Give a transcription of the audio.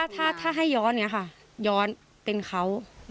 ถ้าให้ย้อนเนี่ยค่ะย้อนเป็นเขา